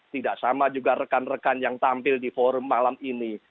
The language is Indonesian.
tidak sama juga rekan rekan yang tampil di forum malam ini